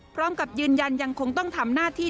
พร้อมกับยืนยันยังคงต้องทำหน้าที่